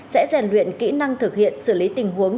sẽ rèn luyện kỹ năng thực hiện xử lý tình huống